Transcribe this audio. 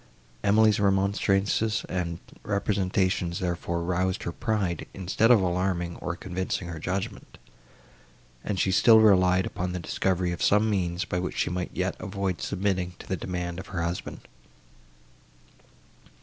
Emily's remonstrances and representations, therefore, roused her pride, instead of alarming, or convincing her judgment, and she still relied upon the discovery of some means, by which she might yet avoid submitting to the demand of her husband.